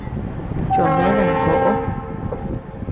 Choʼo né dankoʼo.